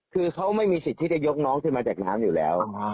คือเขาไม่มีสิทธิ์ที่จะยกน้องขึ้นมาจากน้ำอยู่แล้ว